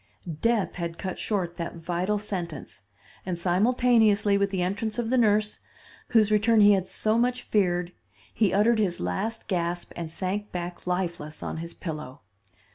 Death had cut short that vital sentence, and simultaneously with the entrance of the nurse, whose return he had so much feared, he uttered his last gasp and sank back lifeless on his pillow.